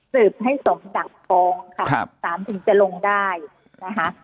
สืบให้สมศักดิ์ฟองครับตามถึงจะลงได้นะฮะ